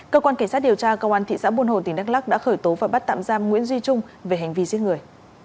cơ quan kẻ sát điều tra cơ quan thị xã buồn hồ tỉnh đắk lắc đã khởi tố và bắt tạm giam nguyễn duy trung về hành vi giết người